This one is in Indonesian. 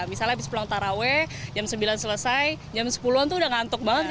misalnya habis pulang taraweh jam sembilan selesai jam sepuluh an tuh udah ngantuk banget